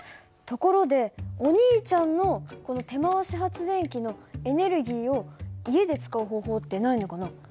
ところでお兄ちゃんのこの手回し発電機のエネルギーを家で使う方法ってないのかな？